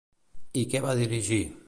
I què va dirigir?